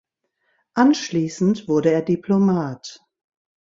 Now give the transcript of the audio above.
Anschließend wurde er Diplomat.